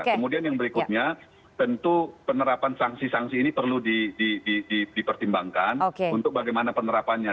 kemudian yang berikutnya tentu penerapan sanksi sanksi ini perlu dipertimbangkan untuk bagaimana penerapannya